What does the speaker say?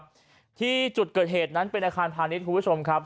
บ่อยแล้วเกิดนะครับที่จุดเกิดเหตุนั้นเป็นอาคารพาณิชย์คุณผู้ชมครับ